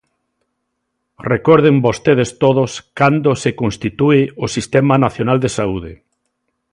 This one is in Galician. Recorden vostedes todos cando se constitúe o Sistema nacional de saúde.